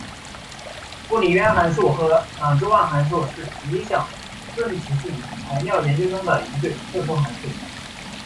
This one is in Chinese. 布里渊函数和郎之万函数是理想顺磁性材料研究中的一对特殊函数。